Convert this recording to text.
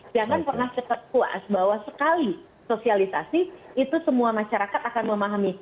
jangan pernah cepat puas bahwa sekali sosialisasi itu semua masyarakat akan memahami